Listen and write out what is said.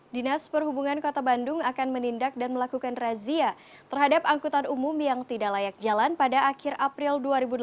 dinas perhubungan kota bandung akan menindak dan melakukan razia terhadap angkutan umum yang tidak layak jalan pada akhir april dua ribu delapan belas